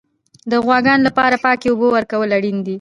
د غواګانو لپاره پاکې اوبه ورکول اړین دي.